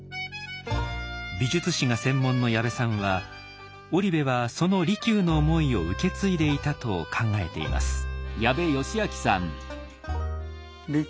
美術史が専門の矢部さんは織部はその利休の思いを受け継いでいたと考えています。